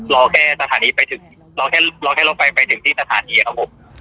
รอแค่รถไฟไปถึงที่สถานีครับผม